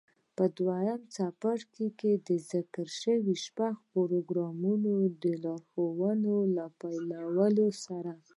په دويم څپرکي کې د ذکر شويو شپږو پړاوونو د لارښوونو له پيلولو سره.